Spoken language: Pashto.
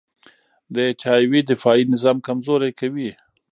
د اچ آی وي دفاعي نظام کمزوری کوي.